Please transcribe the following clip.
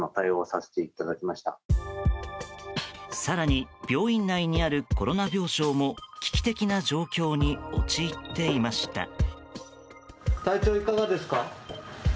更に病院内にあるコロナ病床も危機的な状況に陥っていました。